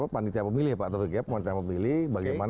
panitia pemilih pak taufik ya panitia pemilih